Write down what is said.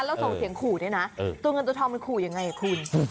แล้วส่งเสียงขู่ด้วยนะตัวเงินตัวทองมันขู่ยังไงคุณ